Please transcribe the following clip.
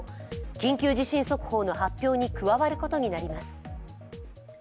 緊急地震速報の発表に加わることになります。